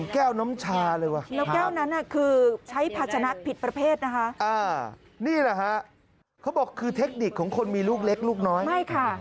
เขาบอกคือเทคนิคของคนมีลูกเล็กหรือยและลูกน้อย